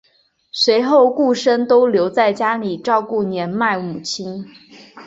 随后顾琛都留家照顾年迈母亲。